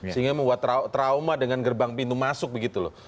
sehingga membuat trauma dengan gerbang pintu masuk begitu loh